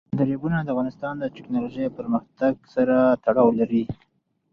دریابونه د افغانستان د تکنالوژۍ پرمختګ سره تړاو لري.